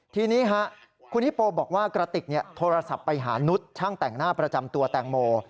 ทีนี้คุณฮิโปบอกว่ากระติกโทรศัพท์ไปหานุษย์ช่างแต่งหน้าประจำตัวแตงโม